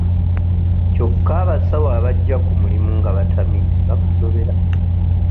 Kyokka abasawo abajja ku mulimu nga batamidde bakusobera.